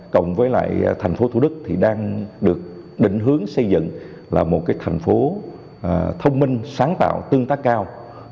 cộng với lại thành phố thủ đức thì đang được định hướng xây dựng là một thành phố thông minh sáng tạo tương tác cao